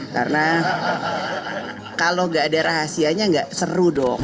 karena kalau nggak ada rahasianya nggak seru dong